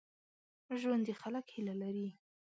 ژوندي خلک هیله لري